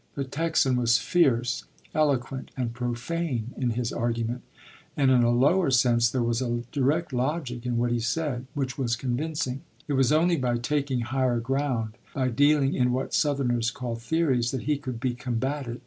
The Texan was fierce, eloquent, and profane in his argument, and, in a lower sense, there was a direct logic in what he said, which was convincing; it was only by taking higher ground, by dealing in what Southerners call "theories," that he could be combated.